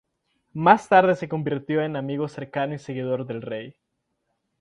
Más tarde se convirtió en amigo cercano y seguidor del rey.